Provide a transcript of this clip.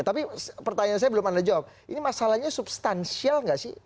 tapi pertanyaan saya belum anda jawab ini masalahnya substansial nggak sih